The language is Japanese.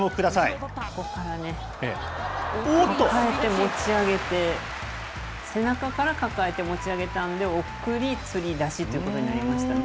抱えて持ち上げて、背中から抱えて持ち上げたんで、送りつり出しということになりましたね。